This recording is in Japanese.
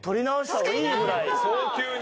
早急に。